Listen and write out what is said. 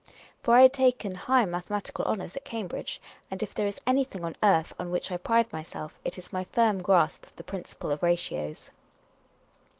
For I had taken high mathematical honours at Cambridge, and if there is anything on earth on which I pride myself, it is my firm grasp of the principle of ratios.